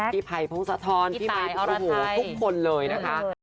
ที่ไพพงศธรที่มีทุกคนเลยนะคะ